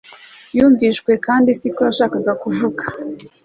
yumviswe kandi siko yashakaga kuvuga